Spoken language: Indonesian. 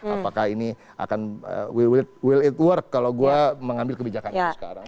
apakah ini akan will it award kalau gue mengambil kebijakan yang sekarang